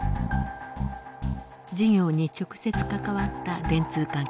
事業に直接関わった電通関係者です。